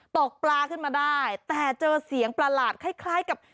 ตกปลาขึ้นมาได้แต่เจอเสียงประหลาดคล้ายกับ